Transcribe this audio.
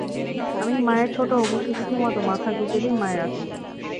আমি মায়ের ছোট্ট অবুঝ শিশুটির মতো মাথা গুঁজে দিই মায়ের আচঁলে।